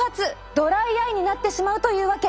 ドライアイになってしまうというわけ。